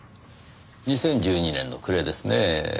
２０１２年の暮れですねぇ。